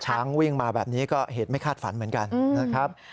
ช้างวิ่งมาแบบนี้ก็เหตุไม่คาดฝันเหมือนกันนะครับ